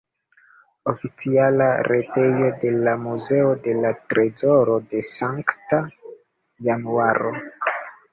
Oficiala retejo de la Muzeo de la trezoro de Sankta Januaro.